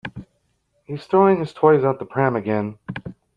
He’s throwing his toys out the pram again